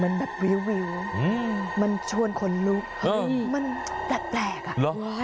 มันแบบวิวมันชวนขนลุกมันแปลกอ่ะ